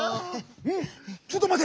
⁉ちょっとまて！